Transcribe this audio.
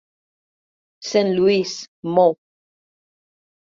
Saint Louis, Mo